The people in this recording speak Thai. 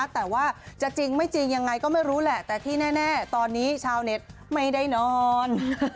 แต่ว่าจะจริงไม่จริงยังไงก็ไม่รู้แหละแต่ที่แน่ตอนนี้ชาวเน็ตไม่ได้นอน